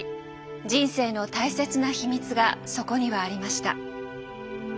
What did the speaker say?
人生の大切な秘密がそこにはありました。